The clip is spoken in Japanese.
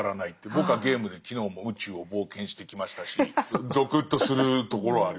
僕はゲームで昨日も宇宙を冒険してきましたしゾクッとするところはあります。